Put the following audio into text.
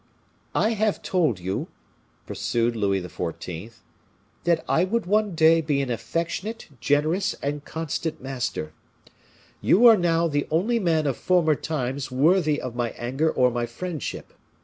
"I have told you," pursued Louis XIV., "that I would one day be an affectionate, generous, and constant master. You are now the only man of former times worthy of my anger or my friendship.